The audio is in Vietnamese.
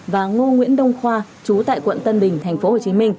và ngô nguyễn đông khoa chú tại quận tân bình tp hcm